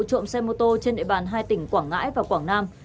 trộm xe mô tô trên địa bàn hai tỉnh quảng ngãi và quảng nam